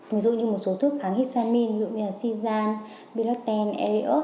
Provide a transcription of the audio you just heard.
ví dụ như một số thuốc kháng hít xa min ví dụ như là cizan belaten eriox